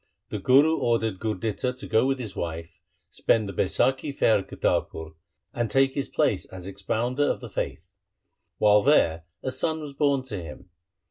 The Guru ordered Gurditta to go with his wife, spend the Baisakhi fair at Kartarpur, and take his place as expounder of the faith. While there a son was born to him.